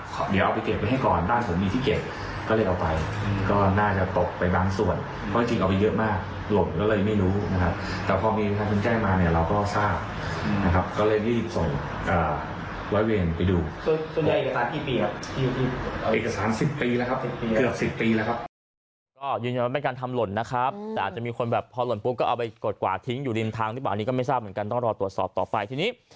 ก็ยังยังเป็นการทำหล่นนะครับแต่อาจจะมีคนแบบพอหล่นปุ๊บก็เอาไปกดกว่าทิ้งอยู่ดินทางหรือเปล่านี้ก็ไม่ทราบเหมือนกันต้องรอตรวจสอบต่อไปที่นี้